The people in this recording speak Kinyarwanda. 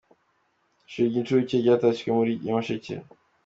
Ishuri ry’incuke ryatashywe muri Nyamasheke